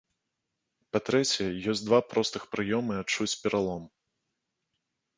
Па-трэцяе, ёсць два простых прыёмы адчуць пералом.